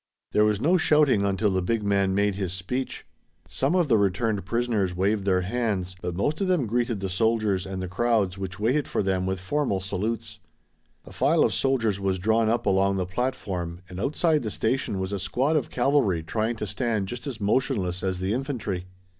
There was no shouting until the big man made his speech. Some of the returned prisoners waved their hands, but most of them greeted the soldiers and the crowds which waited for them with formal salutes. A file of soldiers was drawn up along the platform and outside the station was a squad of cavalry trying to stand just as motionless as the infantry.